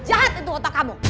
jahat itu otak kamu